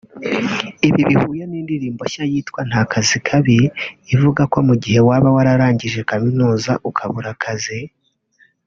Ibi bihuye n’indirimbo nshya yitwa “Nta kazi kabi” ivuga ko mu gihe waba wararangije kaminuza ukabura akazi